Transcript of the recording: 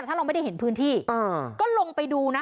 ถ้าเราไม่ได้เห็นพื้นที่ก็ลงไปดูนะ